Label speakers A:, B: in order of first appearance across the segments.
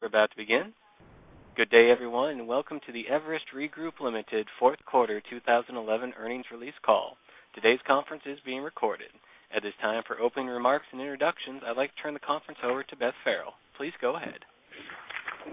A: We're about to begin. Good day, everyone, welcome to the Everest Re Group Limited fourth quarter 2011 earnings release call. Today's conference is being recorded. At this time, for opening remarks and introductions, I'd like to turn the conference over to Beth Farrell. Please go ahead.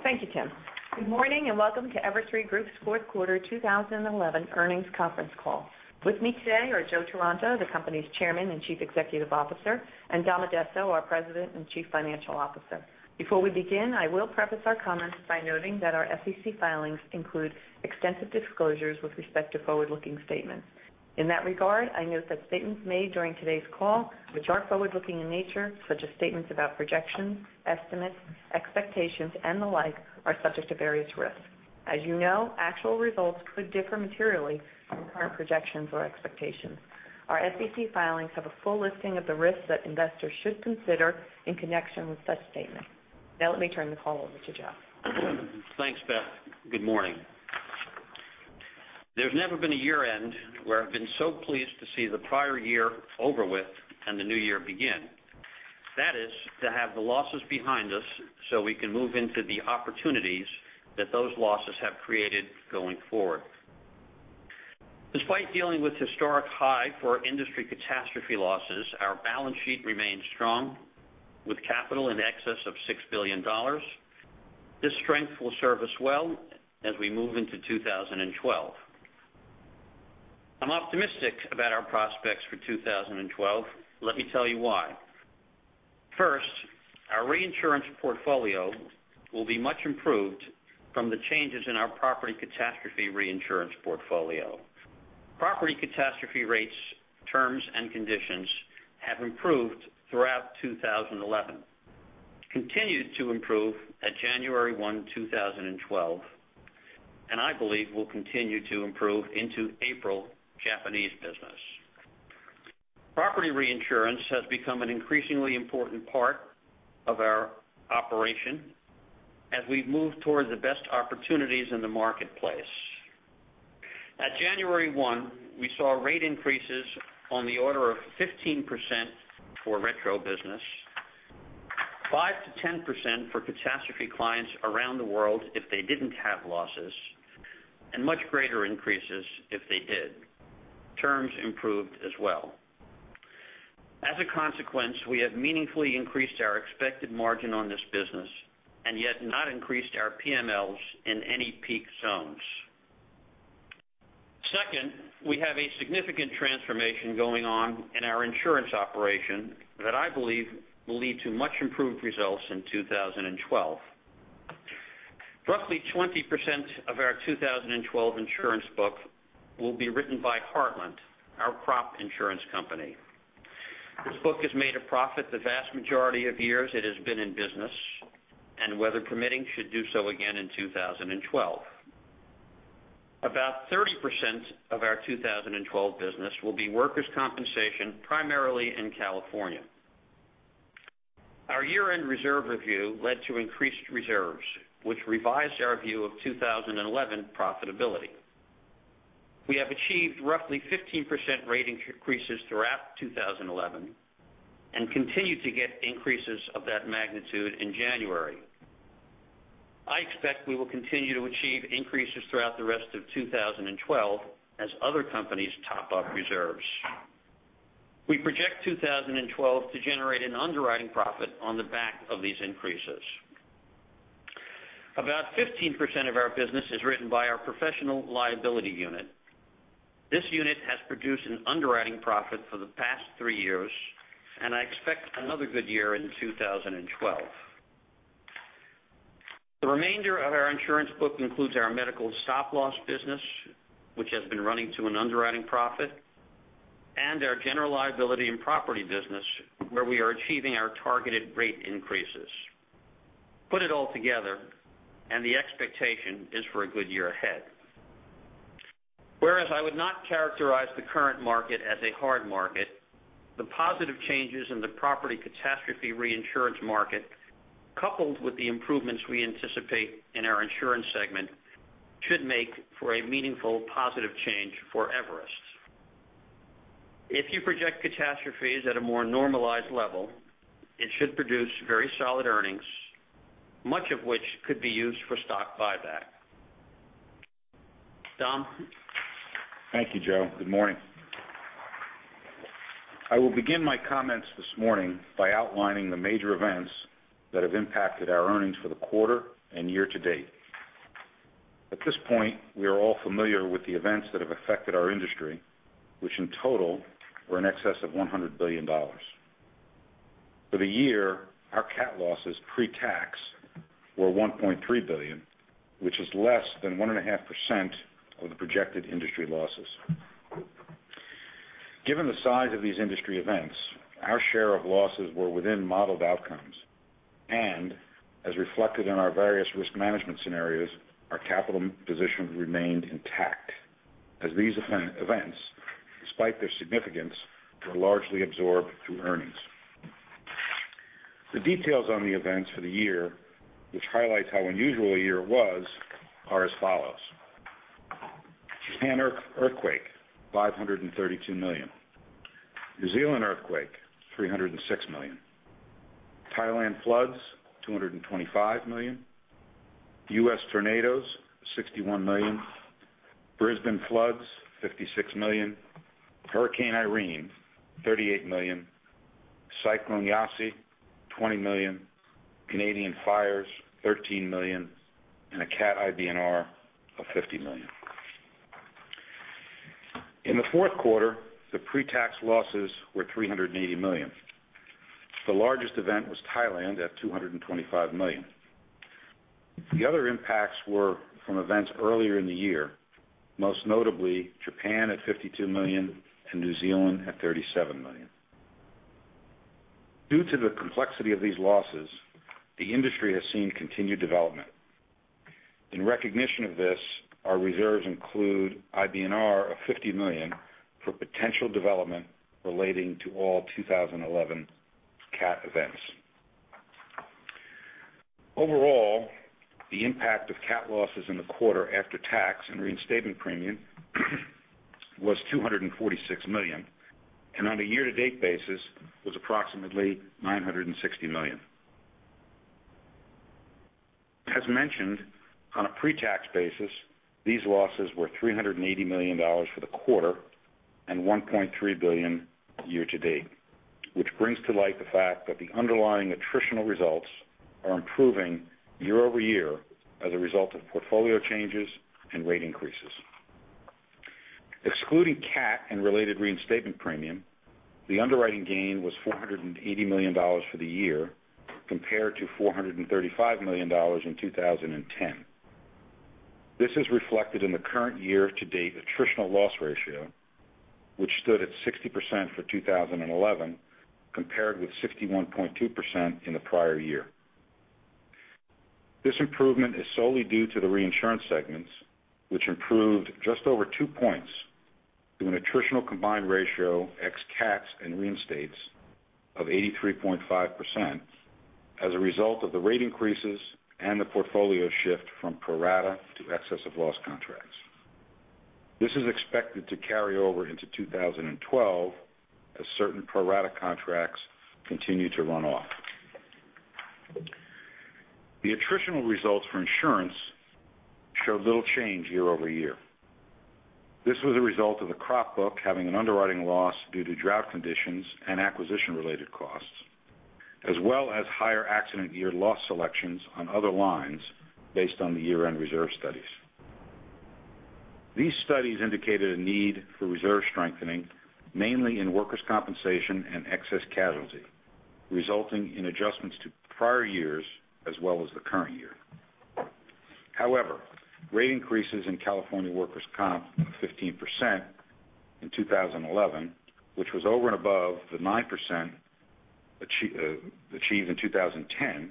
B: Thank you, Tim. Good morning, welcome to Everest Re Group's fourth quarter 2011 earnings conference call. With me today are Joe Taranto, the company's Chairman and Chief Executive Officer, and Dom Addesso, our President and Chief Financial Officer. Before we begin, I will preface our comments by noting that our SEC filings include extensive disclosures with respect to forward-looking statements. In that regard, I note that statements made during today's call, which are forward-looking in nature, such as statements about projections, estimates, expectations and the like, are subject to various risks. As you know, actual results could differ materially from current projections or expectations. Our SEC filings have a full listing of the risks that investors should consider in connection with such statements. Now let me turn the call over to Joe.
C: Thanks, Beth. Good morning. There's never been a year-end where I've been so pleased to see the prior year over with, the new year begin. That is, to have the losses behind us so we can move into the opportunities that those losses have created going forward. Despite dealing with historic high for our industry catastrophe losses, our balance sheet remains strong with capital in excess of $6 billion. This strength will serve us well as we move into 2012. I'm optimistic about our prospects for 2012. Let me tell you why. First, our reinsurance portfolio will be much improved from the changes in our property catastrophe reinsurance portfolio. Property catastrophe rates, terms and conditions have improved throughout 2011, continued to improve at January 1, 2012, I believe will continue to improve into April Japanese business. Property reinsurance has become an increasingly important part of our operation as we've moved towards the best opportunities in the marketplace. At January 1, we saw rate increases on the order of 15% for retro business, 5%-10% for catastrophe clients around the world if they didn't have losses, much greater increases if they did. Terms improved as well. As a consequence, we have meaningfully increased our expected margin on this business, yet not increased our PMLs in any peak zones. Second, we have a significant transformation going on in our insurance operation that I believe will lead to much improved results in 2012. Roughly 20% of our 2012 insurance book will be written by Heartland, our crop insurance company. This book has made a profit the vast majority of years it has been in business, weather permitting, should do so again in 2012. About 30% of our 2012 business will be workers' compensation, primarily in California. Our year-end reserve review led to increased reserves, which revised our view of 2011 profitability. We have achieved roughly 15% rate increases throughout 2011 and continue to get increases of that magnitude in January. I expect we will continue to achieve increases throughout the rest of 2012 as other companies top up reserves. We project 2012 to generate an underwriting profit on the back of these increases. About 15% of our business is written by our professional liability unit. This unit has produced an underwriting profit for the past three years, and I expect another good year in 2012. The remainder of our insurance book includes our medical stop loss business, which has been running to an underwriting profit, and our general liability and property business, where we are achieving our targeted rate increases. Put it all together, the expectation is for a good year ahead. Whereas I would not characterize the current market as a hard market, the positive changes in the property catastrophe reinsurance market, coupled with the improvements we anticipate in our insurance segment, should make for a meaningful, positive change for Everest. If you project catastrophes at a more normalized level, it should produce very solid earnings, much of which could be used for stock buyback. Dom?
D: Thank you, Joe. Good morning. I will begin my comments this morning by outlining the major events that have impacted our earnings for the quarter and year to date. At this point, we are all familiar with the events that have affected our industry, which in total were in excess of $100 billion. For the year, our CAT losses pre-tax were $1.3 billion, which is less than 1.5% of the projected industry losses. Given the size of these industry events, our share of losses were within modeled outcomes and, as reflected in our various risk management scenarios, our capital position remained intact as these events, despite their significance, were largely absorbed through earnings. The details on the events for the year, which highlights how unusual a year it was, are as follows. Japan earthquake, $532 million. New Zealand earthquake, $306 million. Thailand floods, $225 million. U.S. tornadoes, $61 million. Brisbane floods, $56 million. Hurricane Irene, $38 million. Cyclone Yasi, $20 million. Canadian fires, $13 million. A CAT IBNR of $50 million. In the fourth quarter, the pre-tax losses were $380 million. The largest event was Thailand at $225 million. The other impacts were from events earlier in the year, most notably Japan at $52 million and New Zealand at $37 million. Due to the complexity of these losses, the industry has seen continued development. In recognition of this, our reserves include IBNR of $50 million for potential development relating to all 2011 CAT events. Overall, the impact of CAT losses in the quarter after tax and reinstatement premium was $246 million, and on a year-to-date basis was approximately $960 million. As mentioned, on a pre-tax basis, these losses were $380 million for the quarter and $1.3 billion year to date, which brings to light the fact that the underlying attritional results are improving year-over-year as a result of portfolio changes and rate increases. Excluding CAT and related reinstatement premium, the underwriting gain was $480 million for the year compared to $435 million in 2010. This is reflected in the current year to date attritional loss ratio, which stood at 60% for 2011, compared with 61.2% in the prior year. This improvement is solely due to the reinsurance segments, which improved just over two points to an attritional combined ratio ex CATs and reinstates of 83.5% as a result of the rate increases and the portfolio shift from pro-rata to excess of loss contracts. This is expected to carry over into 2012 as certain pro-rata contracts continue to run off. The attritional results for insurance showed little change year-over-year. This was a result of the crop book having an underwriting loss due to drought conditions and acquisition related costs, as well as higher accident year loss selections on other lines based on the year-end reserve studies. These studies indicated a need for reserve strengthening, mainly in workers' compensation and excess casualty, resulting in adjustments to prior years as well as the current year. However, rate increases in California workers' comp of 15% in 2011, which was over and above the 9% achieved in 2010,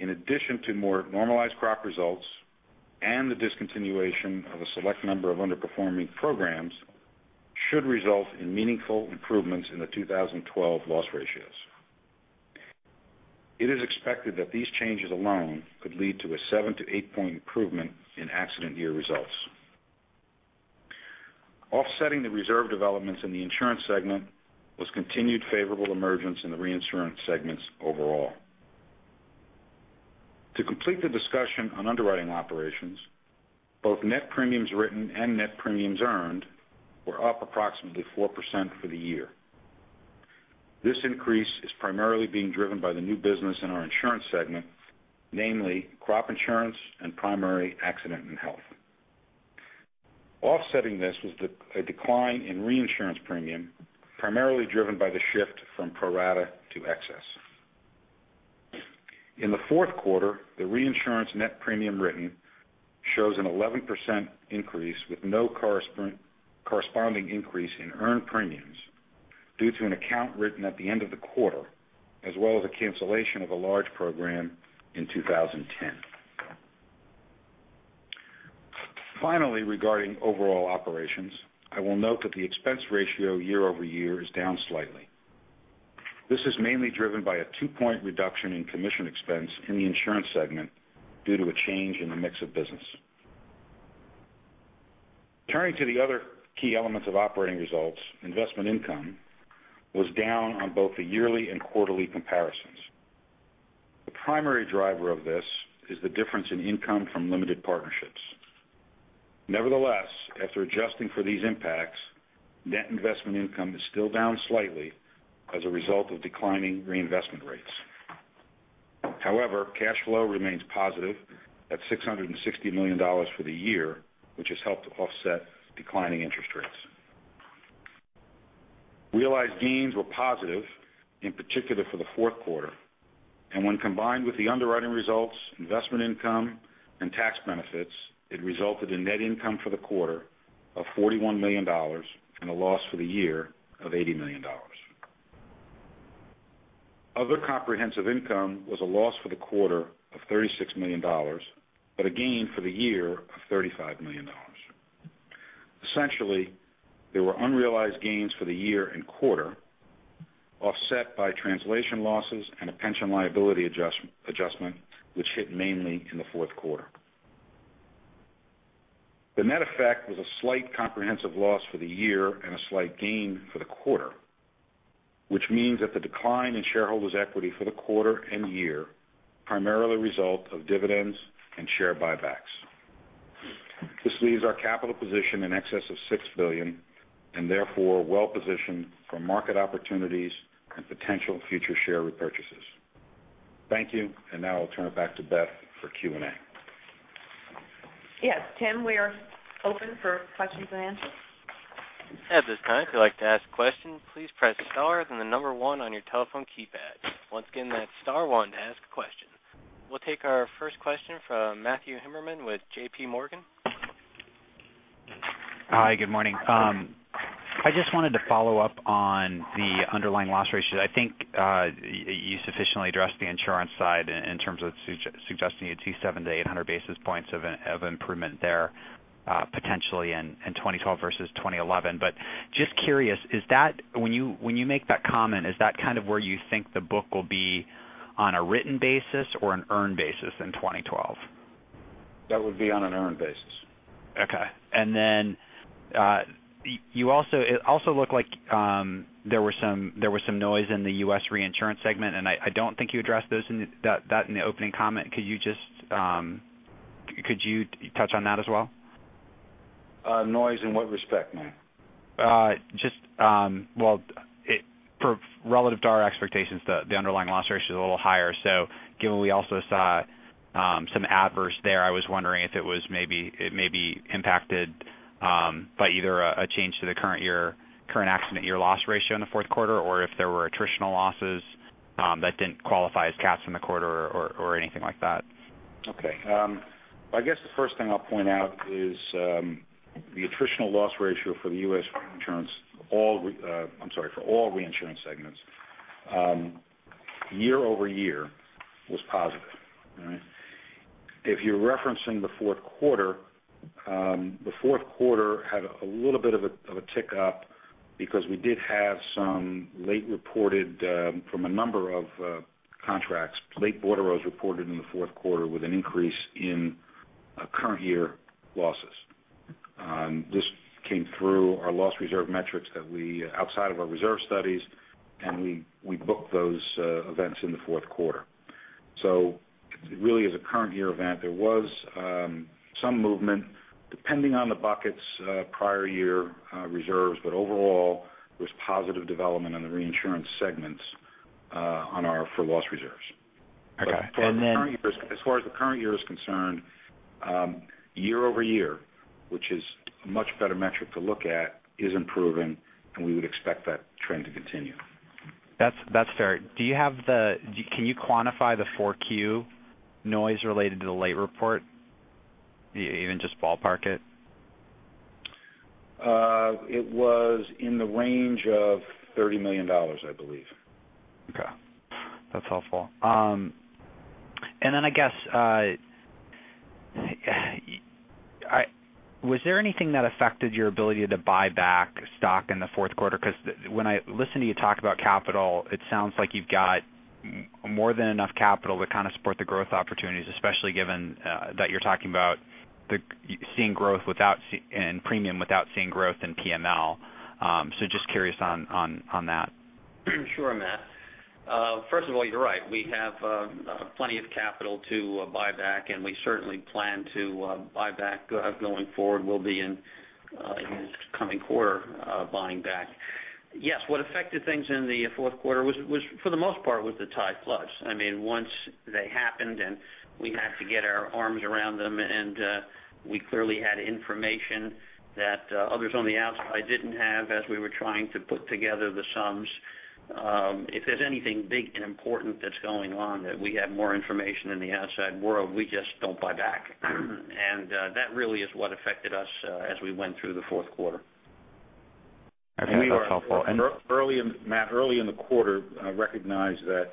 D: in addition to more normalized crop results and the discontinuation of a select number of underperforming programs, should result in meaningful improvements in the 2012 loss ratios. It is expected that these changes alone could lead to a seven to eight-point improvement in accident year results. Offsetting the reserve developments in the insurance segment was continued favorable emergence in the reinsurance segments overall. To complete the discussion on underwriting operations, both net premiums written and net premiums earned were up approximately 4% for the year. This increase is primarily being driven by the new business in our insurance segment, namely crop insurance and primary accident and health. Offsetting this was a decline in reinsurance premium, primarily driven by the shift from pro-rata to excess. In the fourth quarter, the reinsurance net premium written shows an 11% increase with no corresponding increase in earned premiums due to an account written at the end of the quarter, as well as a cancellation of a large program in 2010. Finally, regarding overall operations, I will note that the expense ratio year-over-year is down slightly. This is mainly driven by a two-point reduction in commission expense in the insurance segment due to a change in the mix of business. Turning to the other key elements of operating results, investment income was down on both the yearly and quarterly comparisons. The primary driver of this is the difference in income from limited partnerships. Nevertheless, after adjusting for these impacts, net investment income is still down slightly as a result of declining reinvestment rates. However, cash flow remains positive at $660 million for the year, which has helped to offset declining interest rates. Realized gains were positive, in particular for the fourth quarter. When combined with the underwriting results, investment income and tax benefits, it resulted in net income for the quarter of $41 million and a loss for the year of $80 million. Other comprehensive income was a loss for the quarter of $36 million, but a gain for the year of $35 million. Essentially, there were unrealized gains for the year and quarter offset by translation losses and a pension liability adjustment, which hit mainly in the fourth quarter. The net effect was a slight comprehensive loss for the year and a slight gain for the quarter, which means that the decline in shareholders' equity for the quarter and year primarily result of dividends and share buybacks. This leaves our capital position in excess of $6 billion. Therefore well-positioned for market opportunities and potential future share repurchases. Thank you. Now I'll turn it back to Beth for Q&A.
B: Yes, Tim, we are open for questions and answers.
A: At this time, if you'd like to ask questions, please press star, then the number one on your telephone keypad. Once again, that's star one to ask questions. We'll take our first question from Matthew Heimermann with J.P. Morgan.
E: Hi, good morning. I just wanted to follow up on the underlying loss ratio. I think you sufficiently addressed the insurance side in terms of suggesting you'd see seven to 800 basis points of improvement there potentially in 2012 versus 2011. Just curious, when you make that comment, is that kind of where you think the book will be on a written basis or an earned basis in 2012?
D: That would be on an earned basis.
E: Okay. It also looked like there was some noise in the U.S. reinsurance segment, and I don't think you addressed that in the opening comment. Could you touch on that as well?
D: Noise in what respect, Matt?
E: Well, relative to our expectations, the underlying loss ratio is a little higher. Given we also saw some adverse there, I was wondering if it was maybe impacted by either a change to the current accident year loss ratio in the fourth quarter, or if there were attritional losses that didn't qualify as cats in the quarter or anything like that.
D: Okay. I guess the first thing I'll point out is the attritional loss ratio for the U.S. reinsurance, I'm sorry, for all reinsurance segments year-over-year was positive. All right? If you're referencing the fourth quarter, the fourth quarter had a little bit of a tick up because we did have some late reported, from a number of contracts, late bordereaux reported in the fourth quarter with an increase in current year losses. This came through our loss reserve metrics outside of our reserve studies, and we booked those events in the fourth quarter. It really is a current year event. There was some movement, depending on the bucket's prior year reserves, but overall, there was positive development in the reinsurance segments for loss reserves.
E: Okay.
D: As far as the current year is concerned, year-over-year, which is a much better metric to look at, is improving, and we would expect that trend to continue.
E: That's fair. Can you quantify the four Q noise related to the late report? Even just ballpark it?
D: It was in the range of $30 million, I believe.
E: Okay. That's helpful. I guess, was there anything that affected your ability to buy back stock in the fourth quarter? Because when I listen to you talk about capital, it sounds like you've got more than enough capital to kind of support the growth opportunities, especially given that you're talking about seeing growth in premium without seeing growth in PML. Just curious on that.
C: Sure, Matt. First of all, you're right. We have plenty of capital to buy back, and we certainly plan to buy back going forward. We'll be in coming quarter buying back. Yes, what affected things in the fourth quarter was, for the most part, was the Thai floods. Once they happened and we had to get our arms around them. We clearly had information that others on the outside didn't have as we were trying to put together the sums. If there's anything big and important that's going on that we have more information than the outside world, we just don't buy back. That really is what affected us as we went through the fourth quarter.
E: Okay. That's helpful.
D: Matt, early in the quarter, recognized that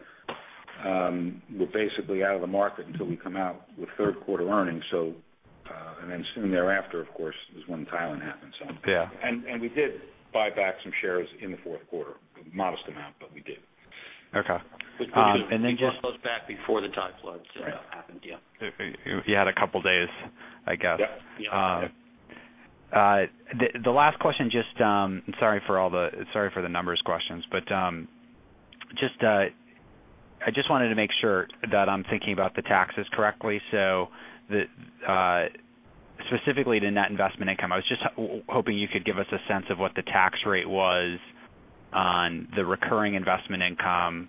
D: we're basically out of the market until we come out with third quarter earnings. Then soon thereafter, of course, is when Thailand happened.
E: Yeah.
D: We did buy back some shares in the fourth quarter. A modest amount, but we did.
E: Okay.
C: We bought those back before the Thai floods happened. Yeah.
E: You had a couple of days, I guess.
D: Yep.
E: The last question, sorry for the numbers questions, I just wanted to make sure that I'm thinking about the taxes correctly. Specifically the net investment income, I was just hoping you could give us a sense of what the tax rate was on the recurring investment income.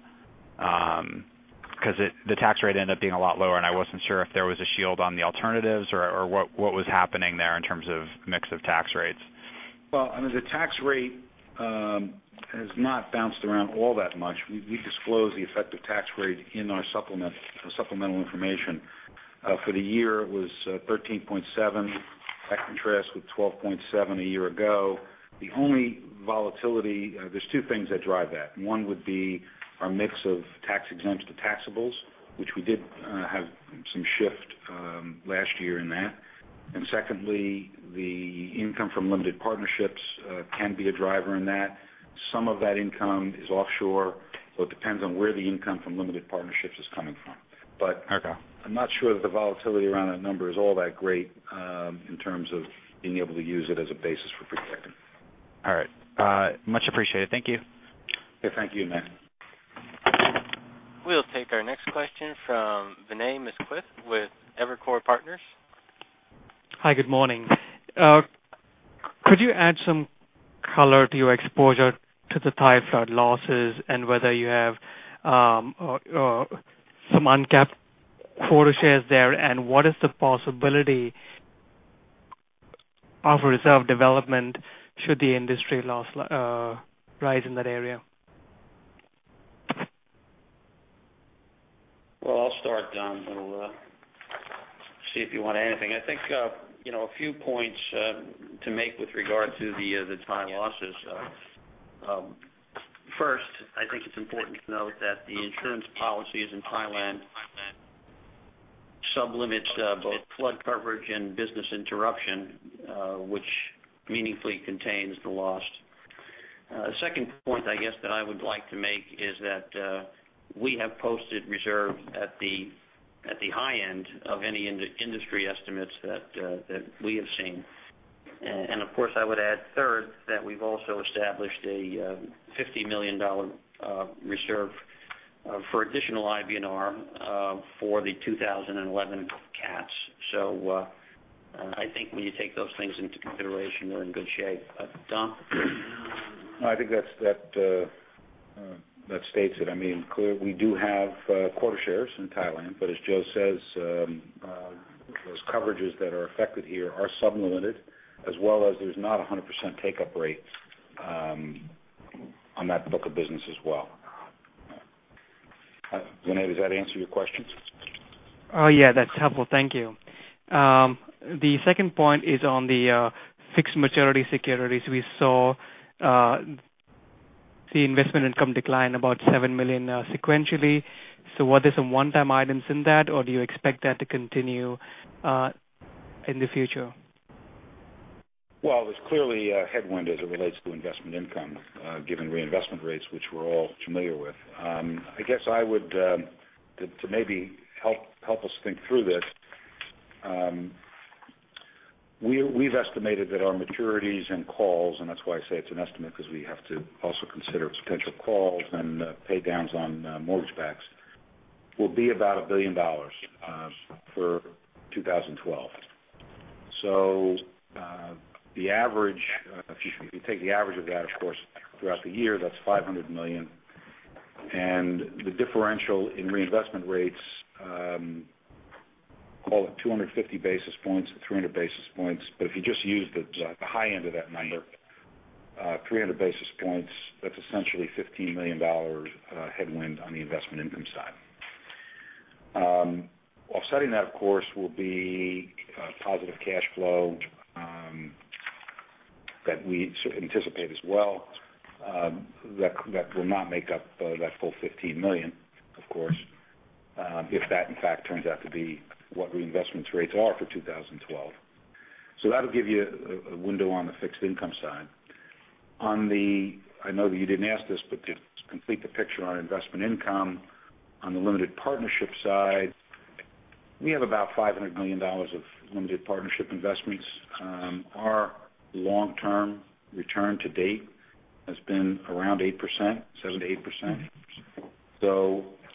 E: The tax rate ended up being a lot lower, and I wasn't sure if there was a shield on the alternatives or what was happening there in terms of mix of tax rates.
D: Well, the tax rate has not bounced around all that much. We disclose the effective tax rate in our supplemental information. For the year, it was 13.7. That contrasts with 12.7 a year ago. The only volatility, there are two things that drive that. One would be our mix of tax exempt to taxables, which we did have some shift last year in that. Secondly, the income from limited partnerships can be a driver in that. Some of that income is offshore, so it depends on where the income from limited partnerships is coming from.
E: Okay.
D: I'm not sure that the volatility around that number is all that great in terms of being able to use it as a basis for projecting.
E: All right. Much appreciated. Thank you.
D: Okay. Thank you, Matt.
A: We'll take our next question from Vinay Misquith with Evercore Partners.
F: Hi. Good morning. Could you add some color to your exposure to the Thai flood losses and whether you have some uncapped quota shares there? What is the possibility of a reserve development should the industry loss rise in that area?
C: Well, I'll start, Dom, and we'll see if you want to add anything. I think, a few points to make with regard to the Thai losses. First, I think it's important to note that the insurance policies in Thailand sub-limit both flood coverage and business interruption, which meaningfully contains the loss. Second point I guess, that I would like to make is that, we have posted reserves at the high end of any industry estimates that we have seen. Of course, I would add third, that we've also established a $50 million reserve for additional IBNR for the 2011 cats. I think when you take those things into consideration, we're in good shape. Dom?
D: No, I think that states it. We do have quota shares in Thailand, but as Joe says, those coverages that are affected here are sub-limited as well as there's not 100% take-up rates on that book of business as well. Vinay, does that answer your questions?
F: Yeah, that's helpful. Thank you. The second point is on the fixed maturity securities. We saw the investment income decline about $7 million sequentially. Are there some one-time items in that, or do you expect that to continue in the future?
D: Well, there's clearly a headwind as it relates to investment income, given reinvestment rates, which we're all familiar with. I guess to maybe help us think through this, we've estimated that our maturities and calls, and that's why I say it's an estimate, because we have to also consider potential calls and pay downs on mortgage backs, will be about $1 billion for 2012. If you take the average of that, of course, throughout the year, that's $500 million. The differential in reinvestment rates, call it 250 basis points or 300 basis points. If you just use the high end of that number, 300 basis points, that's essentially $15 million headwind on the investment income side. Offsetting that, of course, will be positive cash flow that we anticipate as well. That will not make up that full $15 million, of course, if that in fact turns out to be what reinvestments rates are for 2012. That will give you a window on the fixed income side. I know that you didn't ask this, but to complete the picture on investment income, on the limited partnership side, we have about $500 million of limited partnership investments. Our long-term return to date has been around 7% to 8%.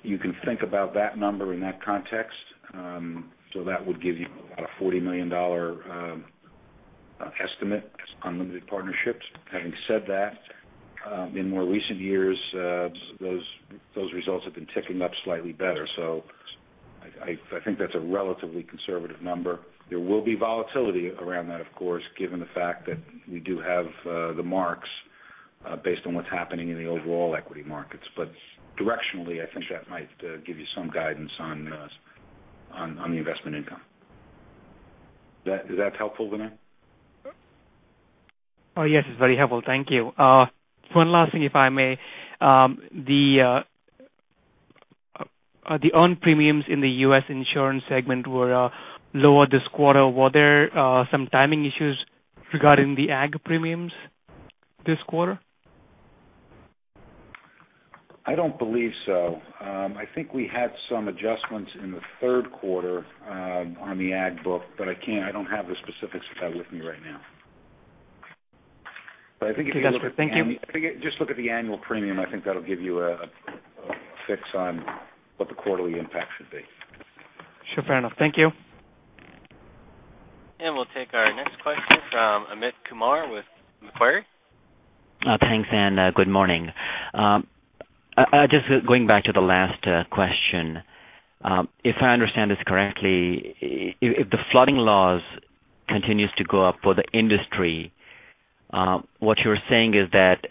D: You can think about that number in that context. That would give you about a $40 million estimate on limited partnerships. Having said that, in more recent years, those results have been ticking up slightly better. I think that's a relatively conservative number. There will be volatility around that, of course, given the fact that we do have the marks based on what's happening in the overall equity markets. Directionally, I think that might give you some guidance on the investment income. Is that helpful, Vinay?
F: Yes. It's very helpful. Thank you. One last thing, if I may. The earned premiums in the U.S. insurance segment were lower this quarter. Were there some timing issues regarding the ag premiums this quarter?
D: I don't believe so. I think we had some adjustments in the third quarter on the ag book, I don't have the specifics of that with me right now.
F: Okay, got it. Thank you.
D: Just look at the annual premium. I think that'll give you a fix on what the quarterly impact should be.
F: Sure. Fair enough. Thank you.
A: We'll take our next question from Amit Kumar with Macquarie.
G: Thanks, and good morning. Just going back to the last question. If I understand this correctly, if the flooding losses continues to go up for the industry, what you're saying is that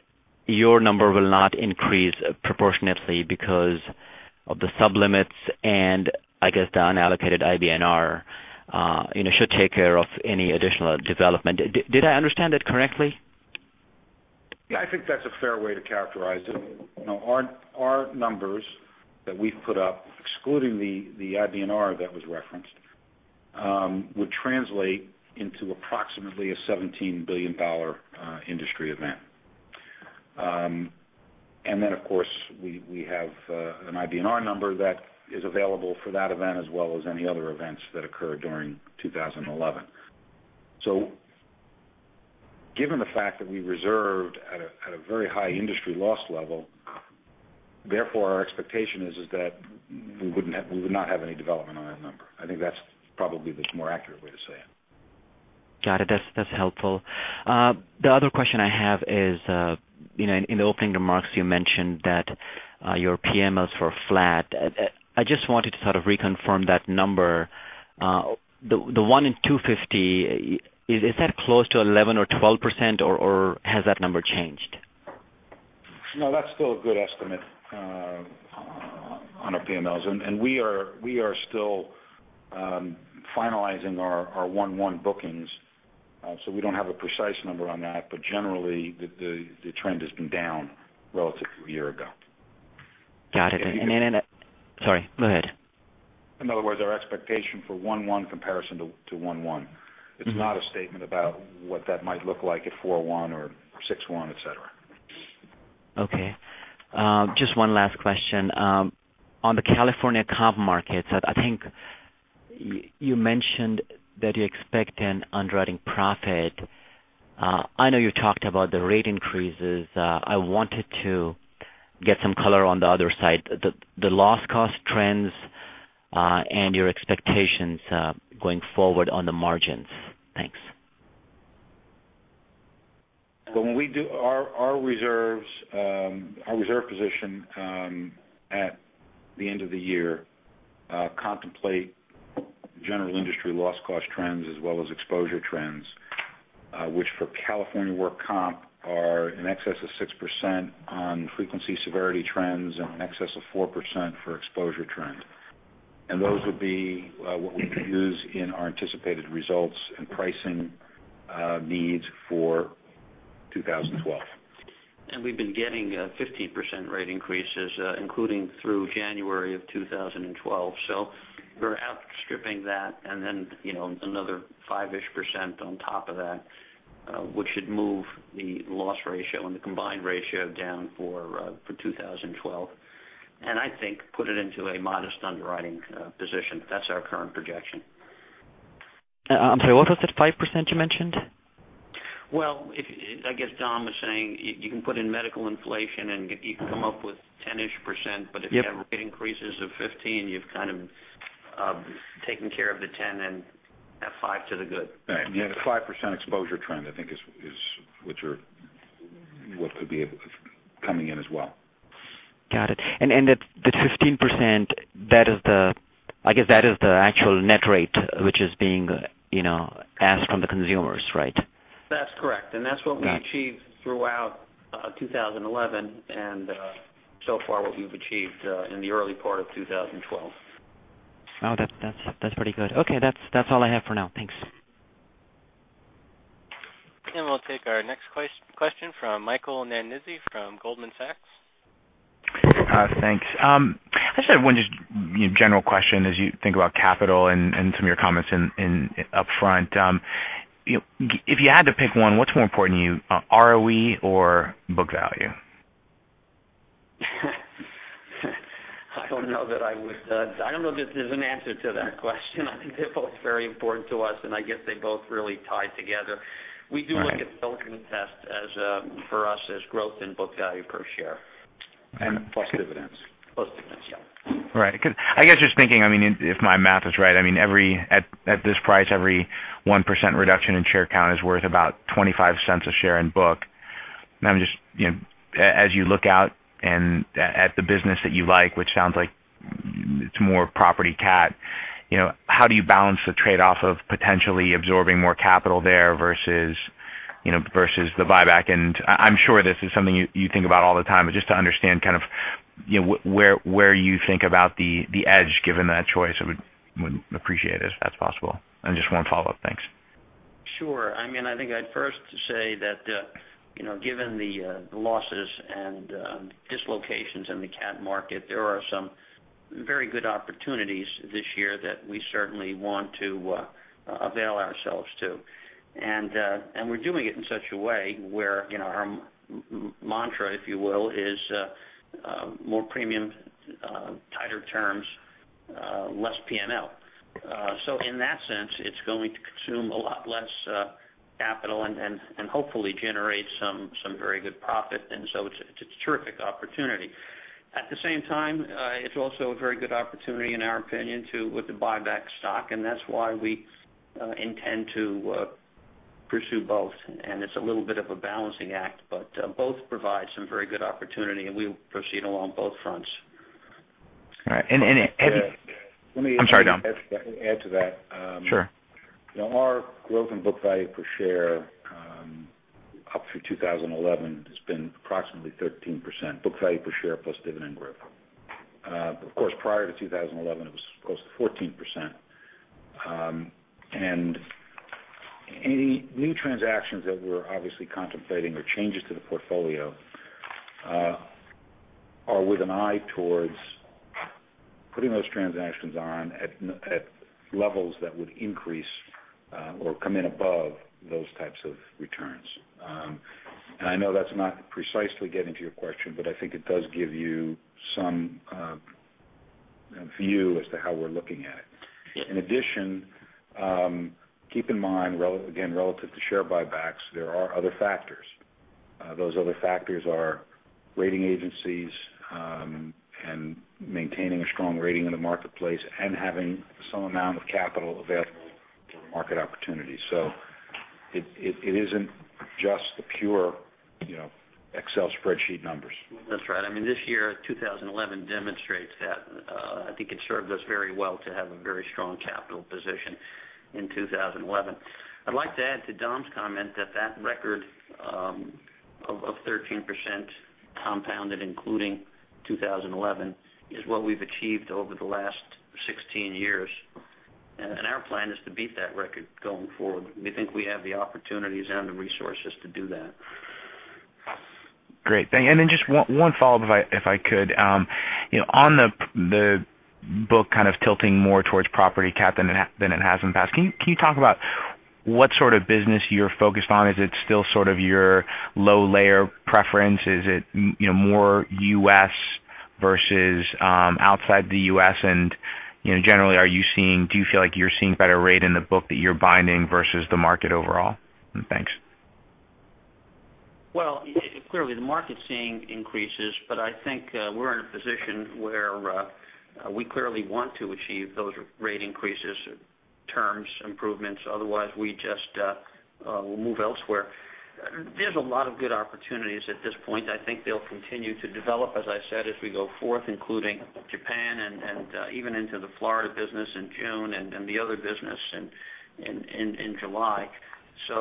G: your number will not increase proportionately because of the sub-limits, and I guess the unallocated IBNR should take care of any additional development. Did I understand that correctly?
D: Yeah, I think that's a fair way to characterize it. Our numbers that we've put up, excluding the IBNR that was referenced, would translate into approximately a $17 billion industry event. Then, of course, we have an IBNR number that is available for that event as well as any other events that occur during 2011. Given the fact that we reserved at a very high industry loss level, therefore our expectation is that we would not have any development on that number. I think that's probably the more accurate way to say it.
G: Got it. That's helpful. The other question I have is, in the opening remarks, you mentioned that your PMLs were flat. I just wanted to sort of reconfirm that number, the one in 250, is that close to 11% or 12% or has that number changed?
D: No, that's still a good estimate on our PMLs. We are still finalizing our one-one bookings, we don't have a precise number on that, but generally, the trend has been down relative to a year ago.
G: Got it. Sorry, go ahead.
D: In other words, our expectation for one-one comparison to one-one. It's not a statement about what that might look like at four-one or six-one, et cetera.
G: Okay. Just one last question. On the California comp markets, I think you mentioned that you expect an underwriting profit. I know you talked about the rate increases. I wanted to get some color on the other side. The loss cost trends, and your expectations going forward on the margins. Thanks.
D: Our reserve position at the end of the year contemplate general industry loss cost trends as well as exposure trends, which for California work comp are in excess of 6% on frequency severity trends and excess of 4% for exposure trend. Those would be what we could use in our anticipated results and pricing needs for 2012.
C: We've been getting 15% rate increases, including through January of 2012. We're out stripping that and then another 5-ish% on top of that, which should move the loss ratio and the combined ratio down for 2012. I think put it into a modest underwriting position. That's our current projection.
G: I'm sorry, what was it, 5% you mentioned?
C: Well, I guess Dom was saying you can put in medical inflation and you can come up with 10-ish%.
G: Yep.
C: If you have rate increases of 15, you've kind of taken care of the 10 and have 5 to the good.
D: Right. Yeah, the 5% exposure trend, I think is what could be coming in as well.
G: Got it. The 15%, I guess that is the actual net rate which is being asked from the consumers, right?
C: That's correct. That's what we achieved throughout 2011 and so far what we've achieved in the early part of 2012.
G: Oh, that's pretty good. Okay. That's all I have for now. Thanks.
A: We'll take our next question from Michael Nannizzi from Goldman Sachs.
H: Thanks. I just have one just general question as you think about capital and some of your comments up front. If you had to pick one, what's more important to you, ROE or book value?
C: I don't know if there's an answer to that question. I think they're both very important to us, and I guess they both really tie together.
H: All right.
C: We do look at Silicon Test for us as growth in book value per share.
D: Plus dividends.
C: Plus dividends, yeah.
H: Right. I guess just thinking, if my math is right, at this price, every 1% reduction in share count is worth about $0.25 a share in book. As you look out and at the business that you like, which sounds like it's more property cat, how do you balance the trade-off of potentially absorbing more capital there versus the buyback? I'm sure this is something you think about all the time, but just to understand kind of where you think about the edge given that choice, I would appreciate it if that's possible. Just one follow-up. Thanks.
C: Sure. I think I'd first say that given the losses and dislocations in the cat market, there are some very good opportunities this year that we certainly want to avail ourselves to. We're doing it in such a way where our mantra, if you will, is more premium, tighter terms, less PML. In that sense, it's going to consume a lot less capital and hopefully generate some very good profit. It's a terrific opportunity. At the same time, it's also a very good opportunity, in our opinion, to with the buyback stock, and that's why we intend to pursue both. It's a little bit of a balancing act, but both provide some very good opportunity, and we proceed along both fronts.
H: All right. Any-
D: Let me-
H: I'm sorry, Dom.
D: Add to that.
H: Sure.
D: Our growth in book value per share up through 2011 has been approximately 13%, book value per share plus dividend growth. Of course, prior to 2011, it was close to 14%. Any new transactions that we're obviously contemplating or changes to the portfolio are with an eye towards putting those transactions on at levels that would increase or come in above those types of returns. I know that's not precisely getting to your question, but I think it does give you some view as to how we're looking at it.
C: Yeah.
D: In addition, keep in mind, again, relative to share buybacks, there are other factors. Those other factors are rating agencies, and maintaining a strong rating in the marketplace, and having some amount of capital available for market opportunities. It isn't just the pure Excel spreadsheet numbers.
C: That's right. This year, 2011, demonstrates that. I think it served us very well to have a very strong capital position in 2011. I'd like to add to Dom's comment that that record of 13% compounded, including 2011, is what we've achieved over the last 16 years. Our plan is to beat that record going forward. We think we have the opportunities and the resources to do that.
H: Great. Thank you. Just one follow-up, if I could. On the book kind of tilting more towards property CAT than it has in the past, can you talk about what sort of business you're focused on? Is it still sort of your low-layer preference? Is it more U.S. versus outside the U.S.? Generally, do you feel like you're seeing better rate in the book that you're binding versus the market overall? Thanks.
C: Well, clearly the market's seeing increases, but I think we're in a position where we clearly want to achieve those rate increases, terms improvements. Otherwise, we just will move elsewhere. There's a lot of good opportunities at this point. I think they'll continue to develop, as I said, as we go forth, including Japan and even into the Florida business in June and the other business in July.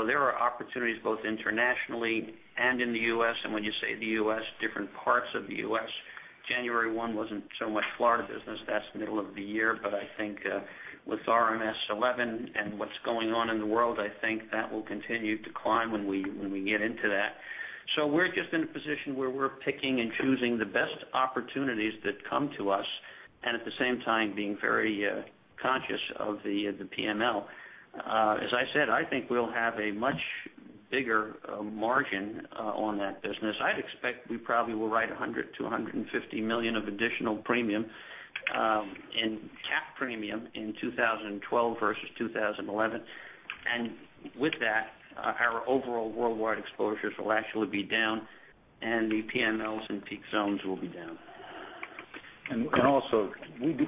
C: There are opportunities both internationally and in the U.S. When you say the U.S., different parts of the U.S. January 1 wasn't so much Florida business. That's the middle of the year. I think with RMS 11 and what's going on in the world, I think that will continue to climb when we get into that. We're just in a position where we're picking and choosing the best opportunities that come to us, and at the same time, being very conscious of the PML. As I said, I think we'll have a much bigger margin on that business. I'd expect we probably will write $100 million-$150 million of additional premium in cat premium in 2012 versus 2011. With that, our overall worldwide exposures will actually be down, and the PMLs and peak zones will be down.
D: Also,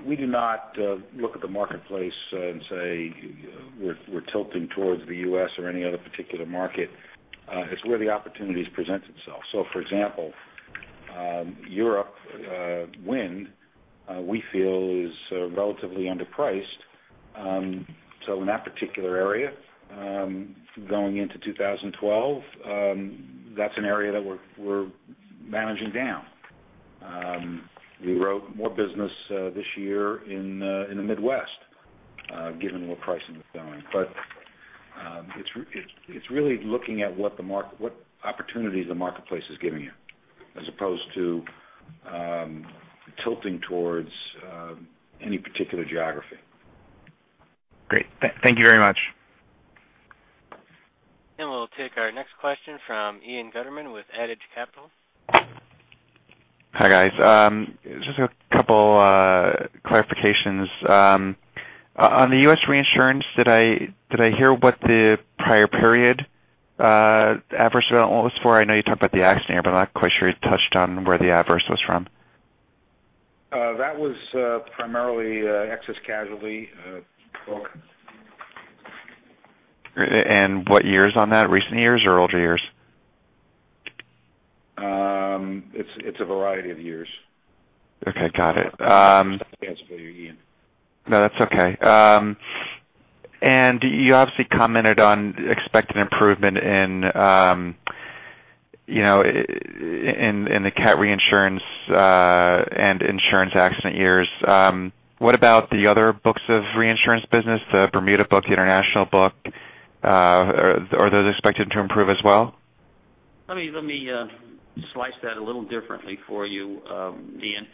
D: we do not look at the marketplace and say we're tilting towards the U.S. or any other particular market. It's where the opportunities present itself. For example Europe wind, we feel is relatively underpriced. In that particular area going into 2012, that's an area that we're managing down. We wrote more business this year in the Midwest given where pricing was going. It's really looking at what opportunities the marketplace is giving you as opposed to tilting towards any particular geography.
H: Great. Thank you very much.
A: We'll take our next question from Ian Gutterman with Adage Capital.
I: Hi, guys. Just a couple clarifications. On the U.S. reinsurance, did I hear what the prior period adverse development was for? I know you talked about the accident year, I'm not quite sure you touched on where the adverse was from.
D: That was primarily excess casualty book.
I: What years on that? Recent years or older years?
D: It's a variety of years.
I: Okay, got it.
D: Ian.
I: No, that's okay. You obviously commented on expected improvement in the cat reinsurance and insurance accident years. What about the other books of reinsurance business? The Bermuda book, the international book are those expected to improve as well?
C: Let me slice that a little differently for you, Ian.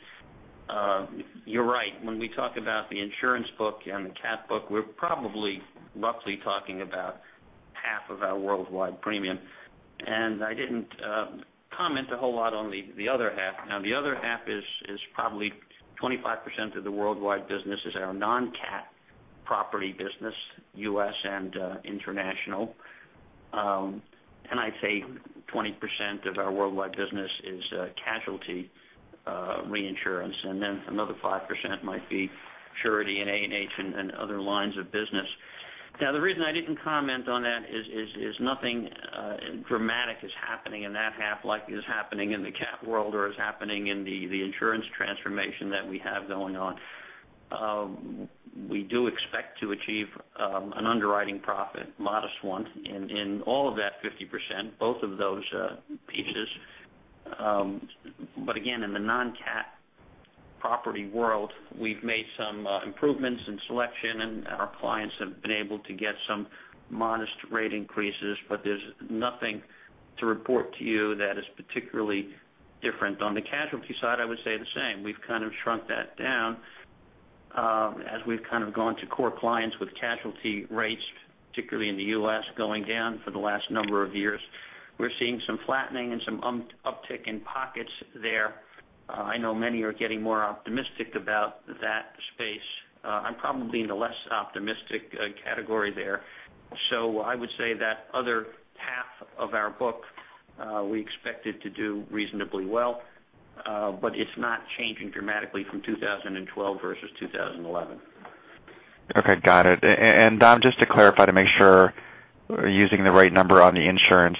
C: You're right. When we talk about the insurance book and the cat book, we're probably roughly talking about half of our worldwide premium. I didn't comment a whole lot on the other half. The other half is probably 25% of the worldwide business is our non-CAT property business, U.S. and international. I'd say 20% of our worldwide business is casualty reinsurance, and then another 5% might be surety and A&H and other lines of business. The reason I didn't comment on that is nothing dramatic is happening in that half like is happening in the cat world or is happening in the insurance transformation that we have going on. We do expect to achieve an underwriting profit, modest one, in all of that 50%, both of those pieces. Again, in the non-CAT property world, we've made some improvements in selection, and our clients have been able to get some modest rate increases, but there's nothing to report to you that is particularly different. On the casualty side, I would say the same. We've kind of shrunk that down as we've gone to core clients with casualty rates, particularly in the U.S., going down for the last number of years. We're seeing some flattening and some uptick in pockets there. I know many are getting more optimistic about that space. I'm probably in the less optimistic category there. I would say that the other half of our book, we expect it to do reasonably well, but it's not changing dramatically from 2012 versus 2011.
I: Okay, got it. Dom, just to clarify to make sure we're using the right number on the insurance,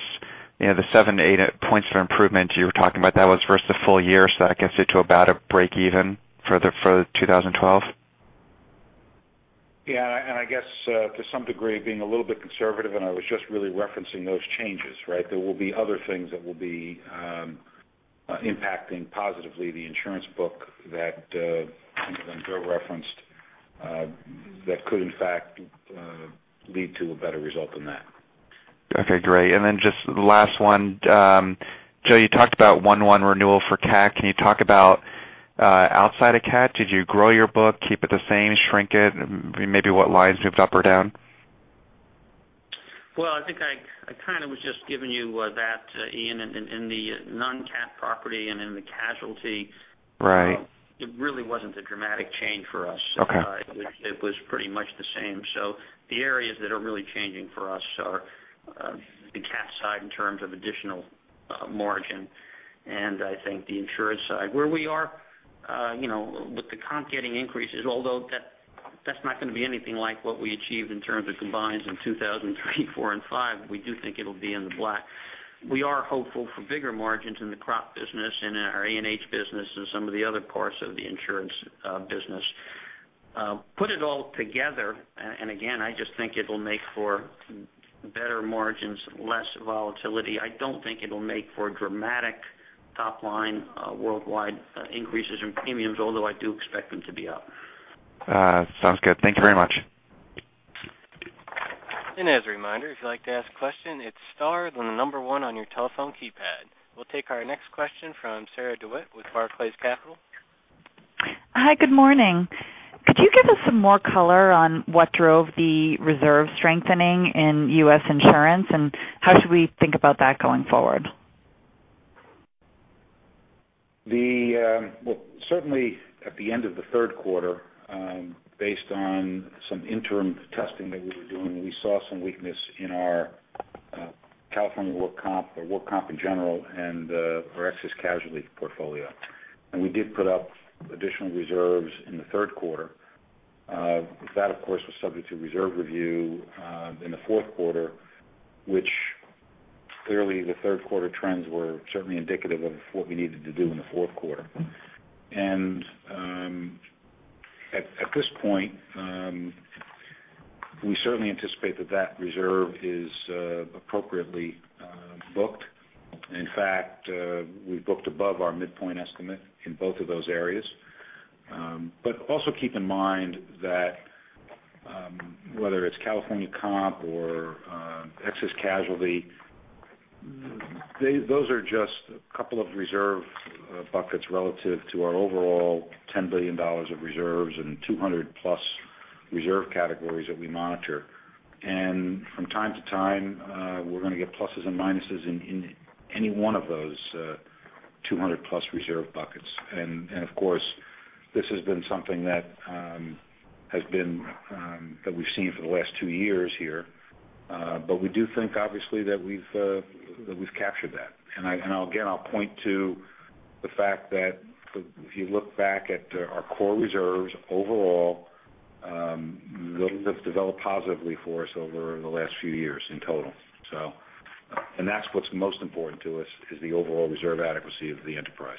I: the seven to eight points for improvement you were talking about, that was versus the full year, so that gets you to about a break even for 2012?
D: Yeah. I guess to some degree, being a little bit conservative, I was just really referencing those changes, right? There will be other things that will be impacting positively the insurance book that some of them Joe referenced, that could in fact lead to a better result than that.
I: Okay, great. Then just last one. Joe, you talked about one-one renewal for CAT. Can you talk about outside of CAT? Did you grow your book, keep it the same, shrink it? Maybe what lines moved up or down?
C: Well, I think I kind of was just giving you that, Ian, in the non-CAT property and in the casualty-
I: Right
C: It really wasn't a dramatic change for us.
I: Okay.
C: It was pretty much the same. The areas that are really changing for us are the CAT side in terms of additional margin and I think the insurance side. Where we are with the comp getting increases, although that's not going to be anything like what we achieved in terms of combined ratios in 2003, 2004, and 2005, we do think it'll be in the black. We are hopeful for bigger margins in the crop business and our A&H business and some of the other parts of the insurance business. Put it all together, again, I just think it'll make for better margins, less volatility. I don't think it'll make for a dramatic top line worldwide increases in premiums, although I do expect them to be up.
I: Sounds good. Thank you very much.
A: As a reminder, if you'd like to ask a question, it's star 1 on your telephone keypad. We'll take our next question from Sarah DeWitt with Barclays Capital.
J: Hi, good morning. Could you give us some more color on what drove the reserve strengthening in U.S. insurance, and how should we think about that going forward?
D: Well, certainly at the end of the third quarter, based on some interim testing that we were doing, we saw some weakness in our California work comp, or work comp in general, and our excess casualty portfolio. We did put up additional reserves in the third quarter. That, of course, was subject to reserve review in the fourth quarter, which clearly the third quarter trends were certainly indicative of what we needed to do in the fourth quarter. At this point, we certainly anticipate that reserve is appropriately booked. In fact, we've booked above our midpoint estimate in both of those areas. Also keep in mind that whether it's California comp or excess casualty, those are just a couple of reserve buckets relative to our overall $10 billion of reserves and 200+ reserve categories that we monitor. From time to time, we're going to get pluses and minuses in any one of those 200+ reserve buckets. Of course, this has been something that we've seen for the last two years here. We do think, obviously, that we've captured that. Again, I'll point to the fact that if you look back at our core reserves overall, those have developed positively for us over the last few years in total. That's what's most important to us, is the overall reserve adequacy of the enterprise.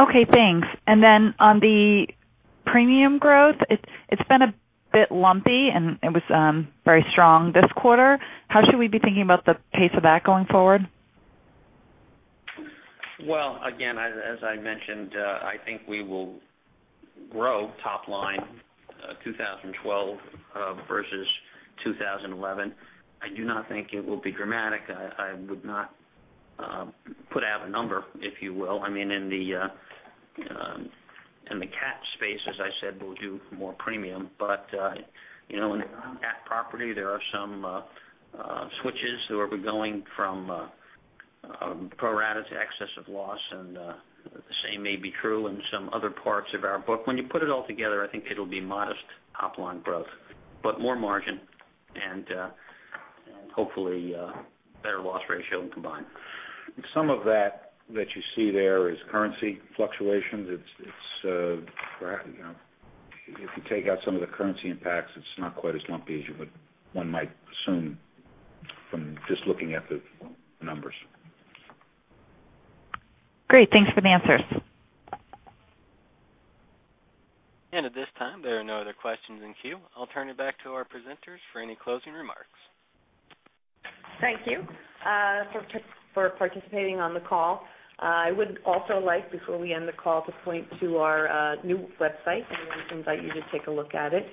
J: Okay, thanks. On the premium growth, it's been a bit lumpy, and it was very strong this quarter. How should we be thinking about the pace of that going forward?
C: Well, again, as I mentioned, I think we will grow top line 2012 versus 2011. I do not think it will be dramatic. I would not put out a number, if you will. In the CAT space, as I said, we'll do more premium. In the non-CAT property, there are some switches where we're going from pro rata to excess of loss, and the same may be true in some other parts of our book. When you put it all together, I think it'll be modest top line growth, but more margin and hopefully better loss ratio in combined.
D: Some of that that you see there is currency fluctuations. If you take out some of the currency impacts, it's not quite as lumpy as one might assume from just looking at the numbers.
J: Great. Thanks for the answers.
A: At this time, there are no other questions in queue. I'll turn it back to our presenters for any closing remarks.
B: Thank you for participating on the call. I would also like, before we end the call, to point to our new website, and we invite you to take a look at it.